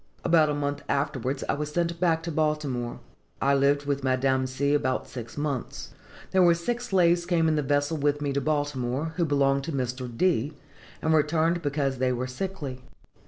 About a month afterwards, I was sent back to Baltimore. I lived with Madame C. about six months. "There were six slaves came in the vessel with me to Baltimore, who belonged to Mr. D., and were returned because they were sickly.